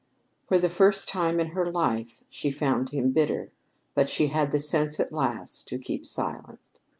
For the first time in her life she found him bitter, but she had the sense at last to keep silent.